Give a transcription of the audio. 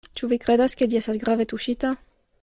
Ĉu vi kredas, ke li estas grave tuŝita?